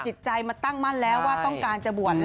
จิตใจมาตั้งมั่นแล้วว่าต้องการจะบวชแล้ว